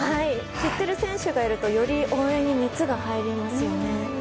知っている選手がいるとより応援に熱が入りますよね。